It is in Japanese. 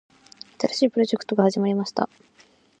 新しいプロジェクトが始まりました。